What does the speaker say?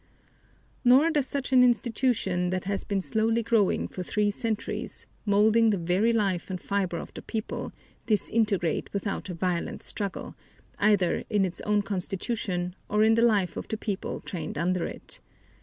Nor does an institution that has been slowly growing for three centuries, molding the very life and fiber of the people, disintegrate without a violent struggle, either in its own constitution or in the life of the people trained under it.